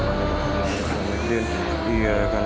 wa rahmatullah wa barakatuh